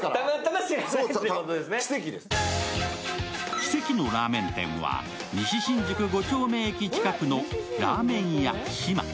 奇跡のラーメン店は西新宿５丁目駅近くのらぁ麺や嶋。